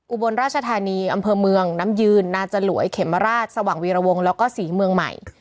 อุบลราชธานีอำเภอเมืองน้ำยืนนาจลวยเขมราชสว่างวีรวงแล้วก็ศรีเมืองใหม่